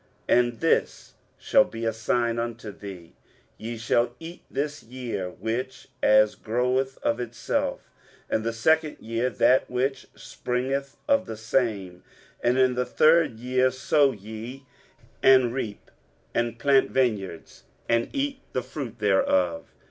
23:037:030 And this shall be a sign unto thee, Ye shall eat this year such as groweth of itself; and the second year that which springeth of the same: and in the third year sow ye, and reap, and plant vineyards, and eat the fruit thereof.